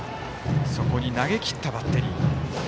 そこに投げきったバッテリー。